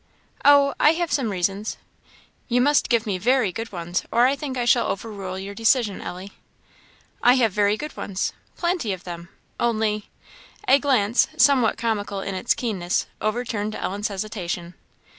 "Oh I have some reasons." "You must give me very good ones, or I think I shall overrule your decision, Ellie." "I have very good ones; plenty of them; only " A glance, somewhat comical in its keenness, overturned Ellen's hesitation.